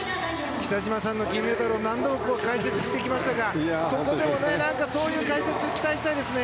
北島さんの金メダルを何度も解説してきましたがここでもそういう解説に期待したいですね。